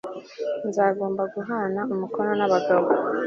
nzagomba guhana umukono n abagabo